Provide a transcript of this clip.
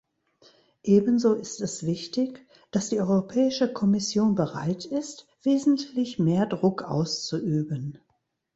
Ebenso ist es wichtig, dass die Europäische Kommission bereit ist, wesentlich mehr Druck auszuüben.